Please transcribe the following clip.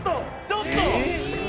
ちょっと！」